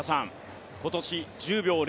今年１０秒０２